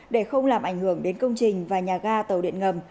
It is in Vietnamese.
để không làm ảnh hưởng đến công trình và nhà ga tàu điện ngầm